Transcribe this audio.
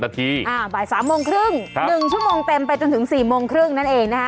บ่าย๓โมงครึ่ง๑ชั่วโมงเต็มไปจนถึง๔โมงครึ่งนั่นเองนะคะ